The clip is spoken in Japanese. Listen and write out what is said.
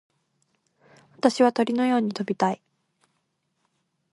私は鳥のように飛びたい。